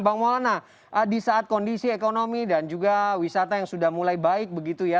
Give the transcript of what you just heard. bang maulana di saat kondisi ekonomi dan juga wisata yang sudah mulai baik begitu ya